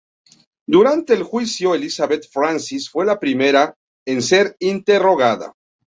Durante el juicio, Elizabeth Francis fue la primera en ser interrogada.